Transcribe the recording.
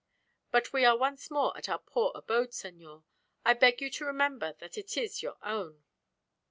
"But we are once more at our poor abode, senor. I beg you to remember that it is your own."